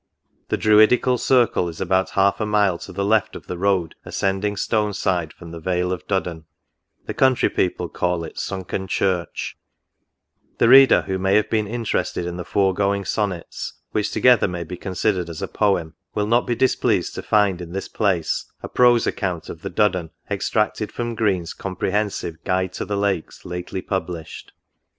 — The Druidical Circle is about half a mile to the left of the road ascending Stone side from the vale of Duddon : the country people call it Sunken Church" The reader who may have been interested in the fore going Sonnets, (which together may be considered as a Poem,) will not be displeased to find in this place a prose account of the Duddon, extracted from Green's compre hensive Guide to the Lakes, lately published.